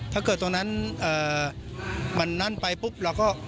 ถ้าเกิดตรงนั้นมันนั่นไปปุ๊บเราก็